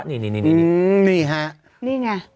นี่ฮะนี่ไง